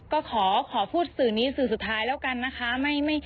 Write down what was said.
ก็ขอพูดสื่อนี้สื่อสุดท้ายแล้วกันนะคะ